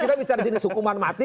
kita bicara jenis hukuman mati